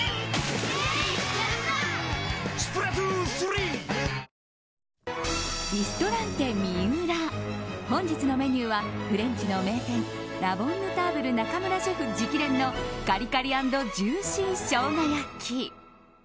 リストランテＭＩＵＲＡ本日のメニューはフレンチの名店ラ・ボンヌターブル中村シェフ直伝のカリカリ＆ジューシーショウガ焼き。